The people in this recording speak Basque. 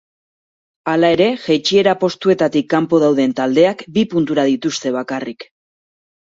Hala ere, jaitsiera postuetatik kanpo dauden taldeak bi puntura dituzte bakarrik.